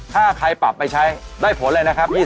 ถ้าใครปรับไปใช้ได้ผลเลยนะครับ